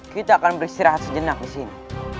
kita akan beristirahat sejenak disini